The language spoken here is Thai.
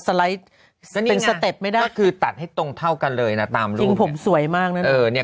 สไลด์สเต็ปไม่ได้คือตัดให้ตรงเท่ากันเลยนะตามผมสวยมากนี่